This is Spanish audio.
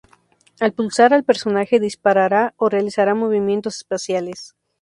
Al pulsar Al personaje disparará o realizará movimientos especiales.